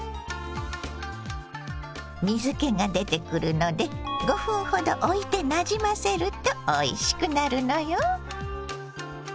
水けが出てくるので５分ほどおいてなじませるとおいしくなるのよ。